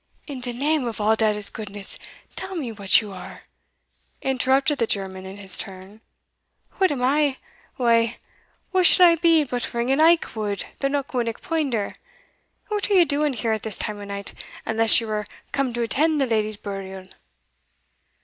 "In de name of all dat is gootness, tell me what you are?" interrupted the German in his turn. "What I am? why, wha should I be but Ringan Aikwood, the Knockwinnock poinder? and what are ye doing here at this time o' night, unless ye were come to attend the leddy's burial?"